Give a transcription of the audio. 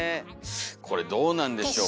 これどうなんでしょうか。